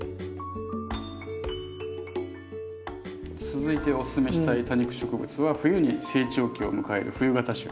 続いておススメしたい多肉植物は冬に成長期を迎える冬型種。